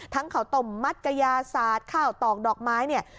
ทั้งเขาตมมัดกายาซาดข้าวตองดอกไม้